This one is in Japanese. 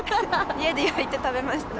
家で焼いて食べました。